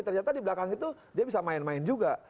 ternyata di belakang itu dia bisa main main juga